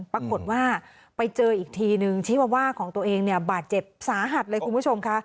ปรากฏว่าไปเจออีกทีนึงชีวว่าของตัวเองเนี่ยบาดเจ็บสาหัสเลยคุณผู้ชมค่ะ